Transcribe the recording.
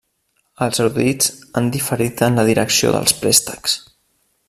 Els erudits han diferit en la direcció dels préstecs.